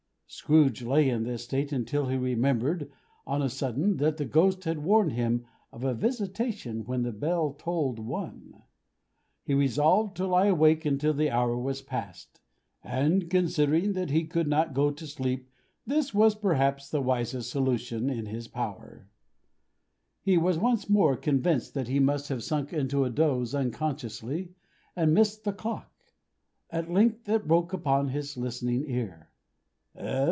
Scrooge lay in this state until he remembered, on a sudden, that the Ghost had warned him of a visitation when the bell tolled One. He resolved to lie awake until the hour was passed; and considering that he could not go to sleep, this was perhaps the wisest resolution in his power. He was more than once convinced he must have sunk into a doze unconsciously, and missed the clock. At length it broke upon his listening ear.